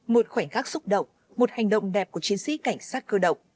một khoảnh khắc xúc động một hành động đẹp của chiến sĩ cảnh sát cơ động